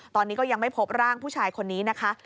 ตอนนี้ก็ยังไม่พบร่างผู้ชายคนนี้นะคะ